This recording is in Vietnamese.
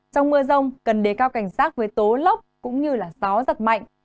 trong mưa rông cần đề cao cảnh sát với tố lốc cũng như gió giật mạnh